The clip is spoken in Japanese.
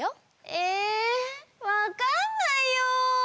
えわかんないよ！